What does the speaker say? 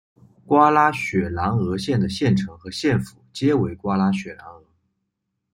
瓜拉雪兰莪县的县城和县府皆为瓜拉雪兰莪。